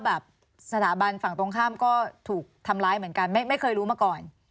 แบบสถาบันฝั่งตรงข้ามก็ถูกทำร้ายเหมือนกันไม่เคยรู้มาก่อน